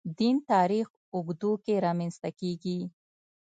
دین تاریخ اوږدو کې رامنځته کېږي.